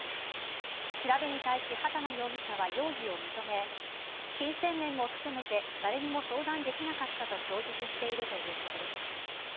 調べに対し波多野容疑者は容疑を認め金銭面も含めて誰にも相談できなかったと供述しているということです。